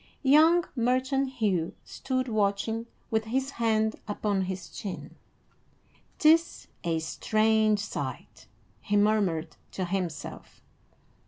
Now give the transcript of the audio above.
Young merchant Hugh stood watching, with his hand upon his chin. "'Tis a strange sight," he murmured to himself.